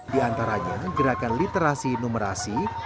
di antaranya gerakan literasi numerasi